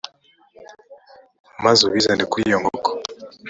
maze ubizane kuri iyo nkoko